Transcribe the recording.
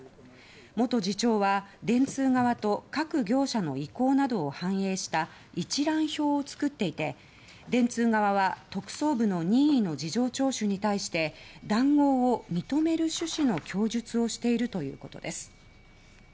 元次長は電通側と各業者の意向などを反映した一覧表を作っていて電通側は、特捜部の任意の事情聴取に対して談合を認める趣旨の供述をしているということです。